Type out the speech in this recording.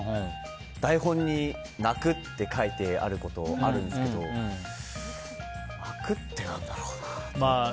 台本に泣くって書いてあることがあるんですけど泣くって何だろうなと思って。